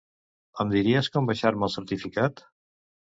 Em diries com baixar-me el certificat?